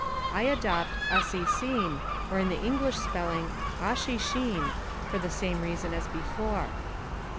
I adopt ASCISCIN, or in English spelling ASHiSillN, for the same reason as before.